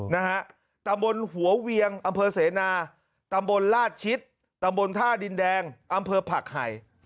นะฮะตำบลหัวเวียงอำเภอเสนาตำบลลาดชิดตำบลท่าดินแดงอำเภอผักไห่